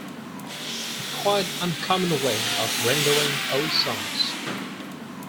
A quite uncommon way of rendering old songs!